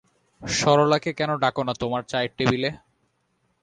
সরলাকে কেন ডাক না তোমার চায়ের টেবিলে।